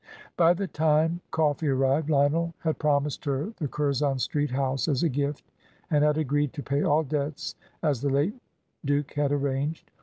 By the time coffee arrived Lionel had promised her the Curzon Street house as a gift, and had agreed to pay all debts as the late Duke had arranged.